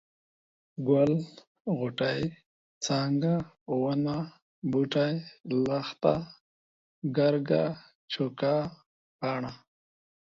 ګل، غوټۍ، څانګه ، ونه ، بوټی، لښته ، ګرګه ، چوکه ، پاڼه،